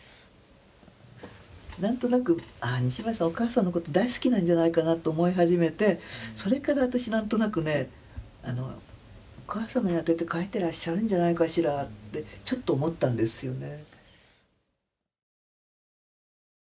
何となく西村さんお母さんのこと大好きなんじゃないかなと思い始めてそれから私何となくねお母さまに宛てて書いてらっしゃるんじゃないかしらってちょっと思ったんですよね。